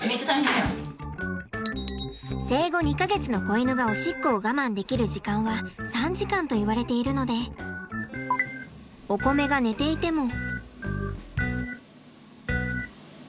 生後２か月の子犬がおしっこを我慢できる時間は３時間といわれているのでおこめが寝ていても。